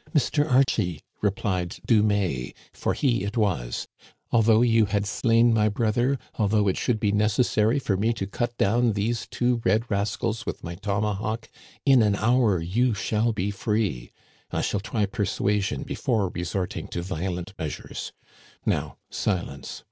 " Mr. Archie," replied Dumais, for he it was, " al though you had slain my brother, although it should be necessary for me to cut down these two red rascals with my tomahawk, in an hour you shall be free. I shall try persuasion before resorting to violent measures. Now silence."